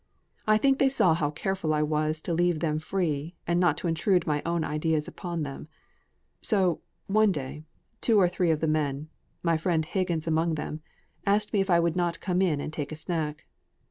I think they saw how careful I was to leave them free, and not to intrude my own ideas upon them; so, one day, two or three of the men my friend Higgins among them asked me if I would not come in and take a snack.